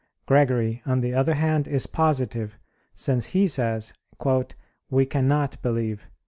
Gregory, on the other hand, is positive, since he says, "We cannot believe."